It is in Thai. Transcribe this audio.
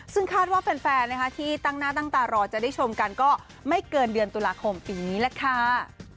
ซึ่งคาดว่าแฟนที่ตั้งหน้าตั้งตารอจะได้ชมกันก็ไม่เกินเดือนตุลาคมปีนี้แหละค่ะ